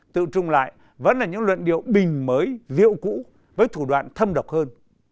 tự trùng lại vẫn là những luận điệu bình mới diệu cũ với thủ đoạn thâm độc hơn